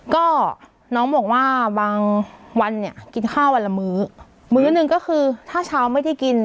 ก็น้องบอกว่าบางวันเนี่ยกินข้าววันละมื้อมื้อหนึ่งก็คือถ้าเช้าไม่ได้กิน